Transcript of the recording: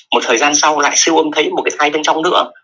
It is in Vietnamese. một thời gian sau lại siêu âm thấy một cái thai bên trong nữa